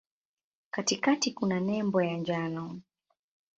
Katikati kuna nembo ya njano.